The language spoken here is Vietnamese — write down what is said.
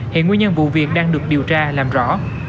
hiện nguyên nhân vụ việc đang được điều tra làm rõ